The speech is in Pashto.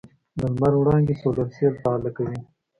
د لمر وړانګې سولر سیل فعاله کوي.